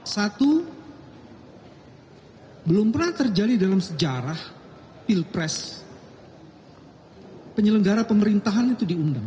satu belum pernah terjadi dalam sejarah pilpres penyelenggara pemerintahan itu diundang